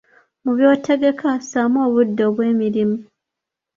Mu by'otegeka, ssaamu obudde obw’emirimu.